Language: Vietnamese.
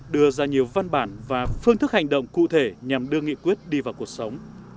đưa ra nhiều văn bản và phương thức hành động cụ thể nhằm đưa nghị quyết đi vào cuộc sống